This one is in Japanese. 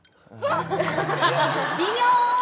微妙！